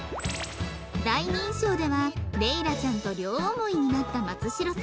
第二印象ではレイラさんと両思いになった松代さん